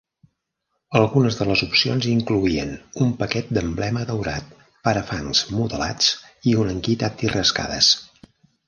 Algunes de les opcions incloïen un paquet d'emblema daurat, parafangs modelats i un kit anti-rascades.